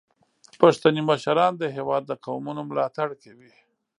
پښتني مشران د هیواد د قومونو ملاتړ کوي.